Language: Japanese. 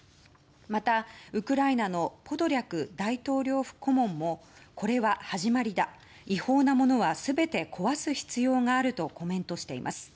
また、ウクライナのポドリャク大統領府顧問もこれは始まりだ、違法なものは全て壊す必要があるとコメントしています。